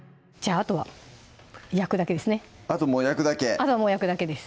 あとはもう焼くだけです